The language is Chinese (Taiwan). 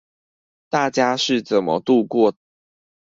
大家是怎麼度過